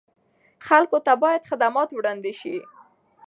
خلکو ته باید خدمات وړاندې شي.